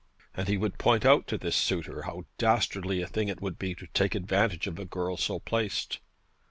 And he would point out to this suitor how dastardly a thing it would be to take advantage of a girl so placed.